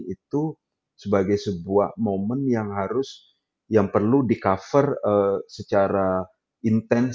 itu sebagai sebuah momen yang harus yang perlu di cover secara intens